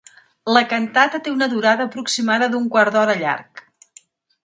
La cantata té una durada aproximada d'un quart d'hora llarg.